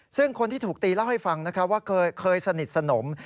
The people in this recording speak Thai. ซึ่งคนที่ถูกตีเล่าให้ฟังว่าเคยสนิทสนม